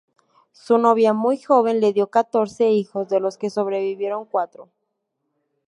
Su novia, muy joven, le dio catorce hijos, de los que sobrevivieron cuatro.